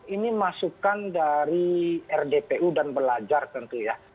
ini masukan dari rdpu dan belajar tentu ya